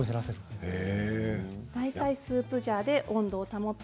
スープジャーで温度を保って。